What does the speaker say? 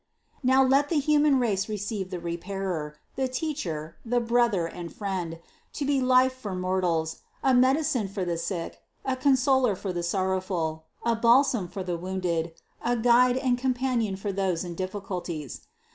198. "Now let the human race receive the Repairer, the Teacher, the Brother and Friend, to be life for mor tals, a medicine for the sick, a consoler for the sorrow ful, a balsam for the wounded, a guide and companion for those in difficulties.